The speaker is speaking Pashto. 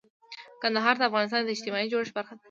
کندهار د افغانستان د اجتماعي جوړښت برخه ده.